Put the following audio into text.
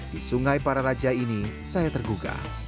di sungai para raja ini saya tergugah